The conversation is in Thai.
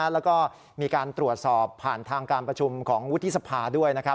แล้วก็มีการตรวจสอบผ่านทางการประชุมของวุฒิสภาด้วย